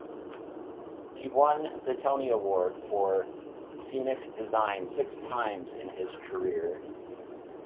He won the Tony Award for Scenic Design six times in his career.